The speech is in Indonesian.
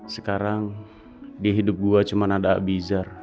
sekarang di hidup gua cuma ada abizar